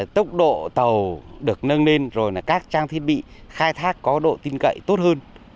tốc độ tàu được nâng lên rồi là các trang thiết bị khai thác có độ tin cậy tốt hơn